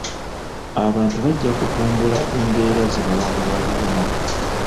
Abantu bajja kutumbula embeera ze bawangaaliramu.